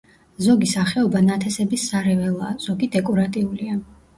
ზოგი სახეობა ნათესების სარეველაა, ზოგი დეკორატიულია.